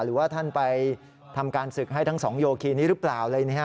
หรือว่าท่านไปทำการศึกให้ทั้ง๒โยคีนี้หรือเปล่า